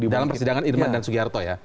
dalam persidangan irman dan sugiharto ya